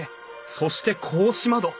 そして格子窓。